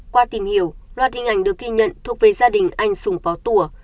qua tìm hiểu loạt hình ảnh được ghi nhận thuộc về gia đình anh sùng phó tủa